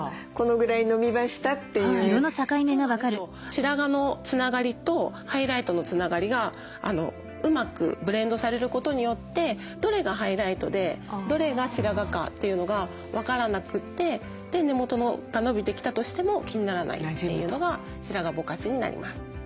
白髪のつながりとハイライトのつながりがうまくブレンドされることによってどれがハイライトでどれが白髪かというのが分からなくてで根元が伸びてきたとしても気にならないというのが白髪ぼかしになります。